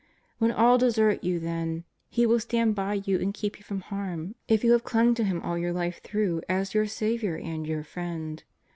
When all desert you then. He will stand by you and keep you from harm if you have clung to Him all your life through as your Saviour and your Friend.